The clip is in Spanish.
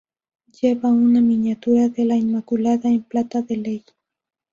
Lleva una miniatura de la Inmaculada en plata de ley.